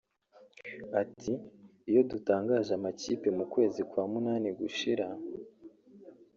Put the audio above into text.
Ati “Iyo dutangaje amakipe mu kwezi kwa munani gushira